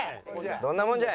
どんなもんじゃい！